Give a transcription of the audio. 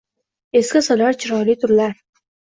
Esga solar chiroyli tunlar